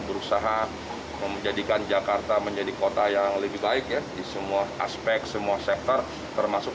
berusaha menjadikan jakarta menjadi kota yang lebih baik ya di semua aspek semua sektor termasuk